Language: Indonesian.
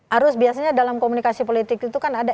harus biasanya dalam komunikasi politik itu kan ada